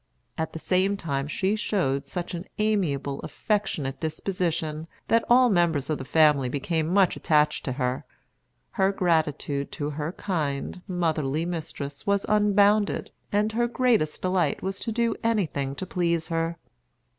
At the same time she showed such an amiable, affectionate disposition, that all members of the family became much attached to her. Her gratitude to her kind, motherly mistress was unbounded, and her greatest delight was to do anything to please her.